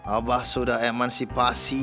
abah sudah emansipasi